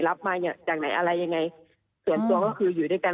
รับมาจากไหนอะไรยังไงส่วนตัวก็คืออยู่ด้วยกัน